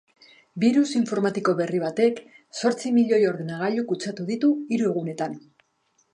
Birus informatiko berri batek zortzi milioi ordenagailu kutsatu ditu hiru egunetan.